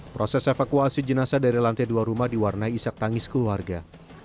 proses evakuasi jenazah dari lantai dua rumah diwarnai isak tangis keluarga